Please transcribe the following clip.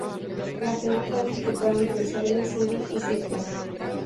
La final fue disputada entre el Sydney City y St.